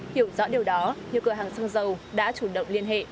hiểu rõ điều đó nhiều cửa hàng xăng dầu đã chủ động liên hệ